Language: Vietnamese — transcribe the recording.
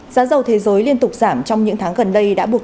giá giàu thế giới liên tục giảm trong những tháng gần đây